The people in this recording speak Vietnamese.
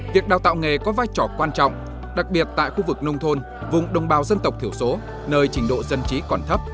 việc đào tạo nghề có vai trò quan trọng đặc biệt tại khu vực nông thôn vùng đồng bào dân tộc thiểu số nơi trình độ dân trí còn thấp